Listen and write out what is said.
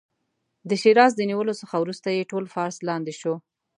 د شیراز د نیولو څخه وروسته یې ټول فارس لاندې شو.